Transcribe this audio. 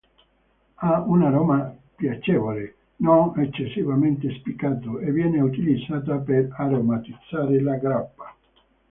Ha un aroma piacevole, non eccessivamente spiccato e viene utilizzata per aromatizzare la grappa.